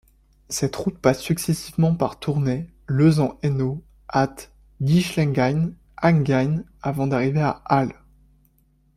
Cette route passe successivement par Tournai, Leuze-en-Hainaut, Ath, Ghislenghien, Enghien avant d'arriver à Hal.